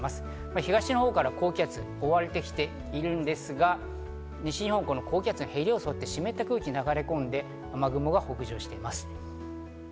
東のほうから高気圧に覆われてきているんですが、西日本、高気圧のへりに沿って湿った空気が流れ込んで雨雲が北上しています。